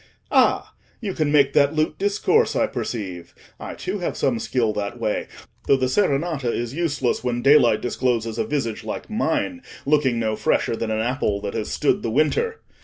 Ah! you can make that lute discourse, I perceive. I, too, have some skill that way, though the serenata is useless when daylight discloses a visage like mine, looking no fresher than an apple that has stood the winter.